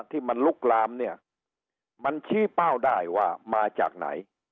ที่มันลุกลามเนี่ยมันชี้เป้าได้ว่ามาจากไหน